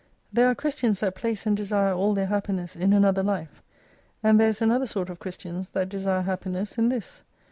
There are Christians that place and desire all their happiness in another life, and there is another sort of Christians that desire happiness in this.